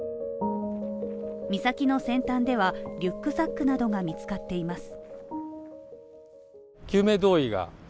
岬の先端ではリュックサックなどが見つかっています。